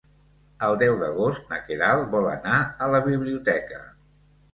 El deu d'agost na Queralt vol anar a la biblioteca.